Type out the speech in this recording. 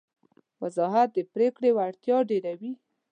وضاحت د پرېکړې وړتیا ډېروي.